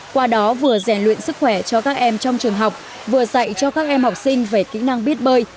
qua đó vừa rèn luyện sức khỏe cho các em trong trường học vừa dạy cho các em học sinh về kỹ năng biết bơi